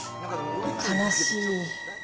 悲しい。